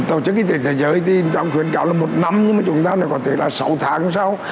tổ chức y tế thế giới thì chúng ta khuyến khảo là một năm nhưng mà chúng ta có thể là sáu tháng sau